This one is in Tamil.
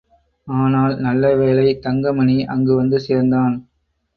ஆனால், நல்லவேளையாக தங்கமணி அங்கு வந்து சேர்ந்தான்.